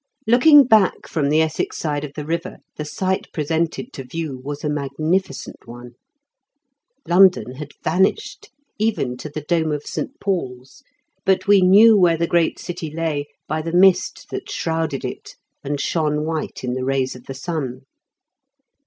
Looking back from the Essex side of the river the sight presented to view was a magnificent one. London had vanished, even to the dome of St. Paul's, but we knew where the great city lay by the mist that shrouded it and shone white in the rays of the sun.